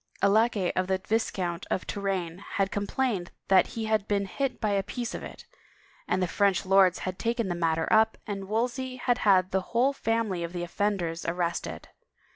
A laquay of the Viscount de Touraine. had complained that he had been hit by a piece of it, and the French lords had taken the matter up and Wolsey had had the whole family 6f the offenders arrested.